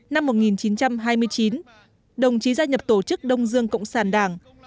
năm một nghìn chín trăm hai mươi chín đồng chí gia nhập tổ chức đông dương cộng sản đảng